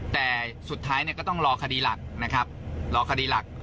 แต่สุดท้ายก็ต้องรอคดีหลักนะครับ